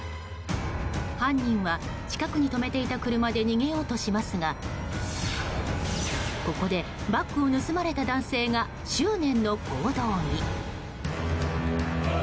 犯人は近くに止めていた車で逃げようとしますがここで、バッグを盗まれた男性が執念の行動に。